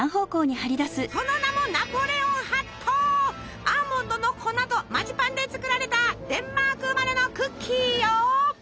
その名もアーモンドの粉とマジパンで作られたデンマーク生まれのクッキーよ。